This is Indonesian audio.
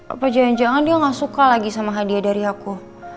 apa jangan jangan dia gak suka lagi sama hadiah dari aku